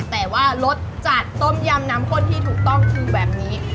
แต่ว่ารสจัดต้มยำน้ำข้นที่ถูกต้องคือแบบนี้